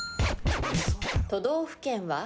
都道府県は？